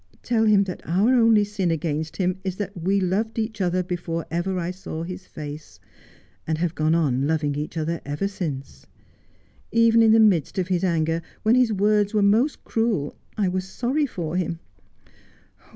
Tell him that our only sin against him is that we loved each other before ever I saw his face, and have gone on loving each other ever since. Even in the midst of his anger, when his words were most cruel, I was sorry for him.